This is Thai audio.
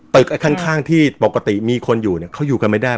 ไอ้ข้างที่ปกติมีคนอยู่เนี่ยเขาอยู่กันไม่ได้